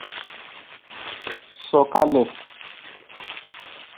This headland is Ireland's southern limit point of the Irish Sea.